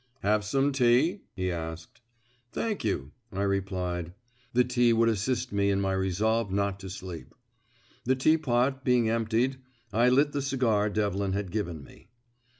"Have some tea?" he asked. "Thank you," I replied. The tea would assist me in my resolve not to sleep. The teapot being emptied, I lit the cigar Devlin had given me.